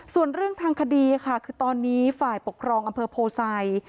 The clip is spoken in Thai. ส่วนเรื่องทางคดีค่ะคือตอนนี้ฝ่ายปกครองอำเภอโพไซ